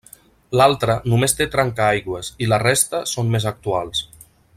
L'altra només té trencaaigües, i la resta són més actuals.